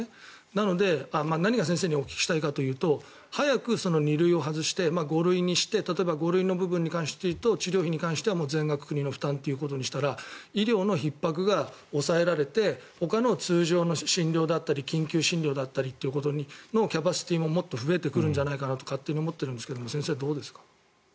なので何が先生にお聞きしたいかというと速く２類を外して５類にして例えば５類の部分に関していうと治療費に関しては全額国の負担にしたら医療のひっ迫が抑えられてほかの診療だったり緊急診療だったりってことのキャパシティーももっと増えてくるんじゃないかと勝手に思っているんですが先生、どうですか？